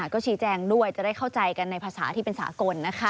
ก็ชี้แจงด้วยจะได้เข้าใจกันในภาษาที่เป็นสากลนะคะ